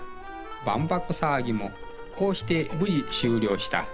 万博騒ぎもこうして無事終了した。